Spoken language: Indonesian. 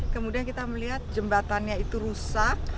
kemudian kita melihat jembatannya itu rusak